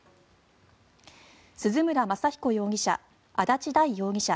鈴村雅彦容疑者、足立大容疑者